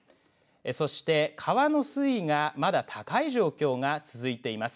そして、川の水位がまだ高い状況が続いています。